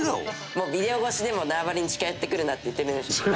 「もうビデオ越しでも縄張りに近寄ってくるなって言ってるんでしょうね」